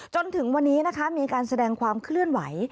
จนถึงวันนี้นะคะมีการแสดงความเคลื่อนไหว